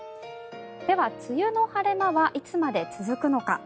では、梅雨の晴れ間はいつまで続くのか。